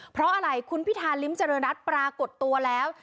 เพราะอะไรคุณพิธาริมเจริญรัฐปรากฏตัวแล้ว